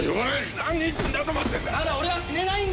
何人死んだと思ってんだ！